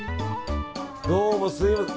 どうも、すみません。